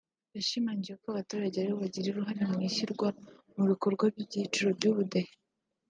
yashimangiye ko abaturage ari bo bagira uruhare mu ishyirwa mu bikorwa ry’ibyiciro by’ubudehe